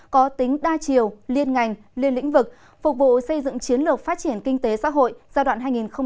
có tính đa chiều liên ngành liên lĩnh vực phục vụ xây dựng chiến lược phát triển kinh tế xã hội giai đoạn hai nghìn một mươi một hai nghìn ba mươi